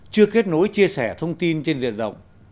chưa kết nối chia sẻ thông tin trên diện rộng